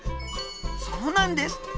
そうなんです。